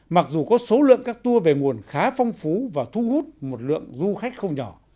mặc dù có số lượng các tour về nguồn khá phong phú và thu hút một lượng du khách không nhỏ